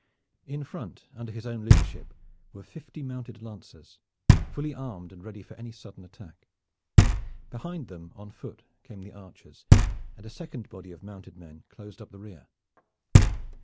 In front under his own leadership were fifty mounted lancers, fully armed and ready for any sudden attack. Behind them on foot came the archers, and a second body of mounted men closed up the rear.